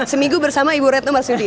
seminggu bersama ibu retno marsudi